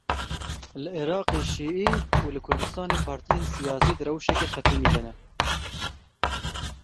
Li Iraqê Şîe û li Kurdistanê partiyên siyasî di rewşeke xetimî de ne.